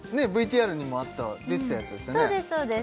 ＶＴＲにもあった出てたやつですよね